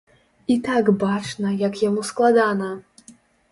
І так бачна, як яму складана.